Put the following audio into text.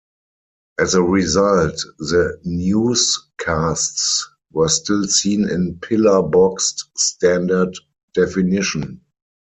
As a result, the newscasts were still seen in pillarboxed standard definition.